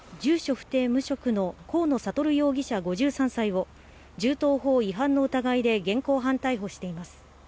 不定無職の河野智容疑者５３歳を、銃刀法違反の疑いで現行犯逮捕しています。